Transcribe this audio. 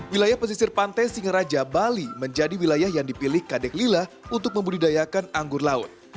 wilayah pesisir pantai singaraja bali menjadi wilayah yang dipilih kadek lila untuk membudidayakan anggur laut